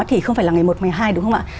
thì không phải là ngày một ngày hai đúng không ạ